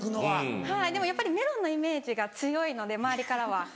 はいでもやっぱりメロンのイメージが強いので周りからは。